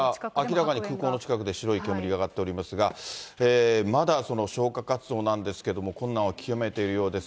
明らかに空港の近くで白い煙が上がっておりますが、まだ消火活動なんですが、困難を極めているようです。